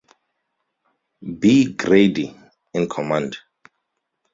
B. Grady in command.